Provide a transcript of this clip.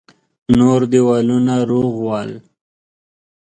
نور دېوالونه روغ ول.